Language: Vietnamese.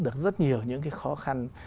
được rất nhiều những cái khó khăn